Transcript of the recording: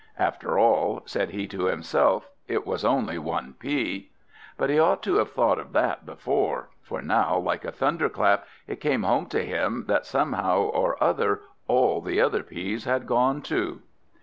"After all," said he to himself, "it was only one pea." But he ought to have thought of that before, for now like a thunderclap, it came home to him, that somehow or other all the other peas had gone too.